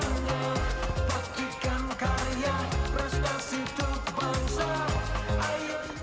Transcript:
iya kita pernah tes rapid